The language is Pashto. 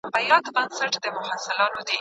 زموږ په باغ کي د انارو وني ډېرې دي.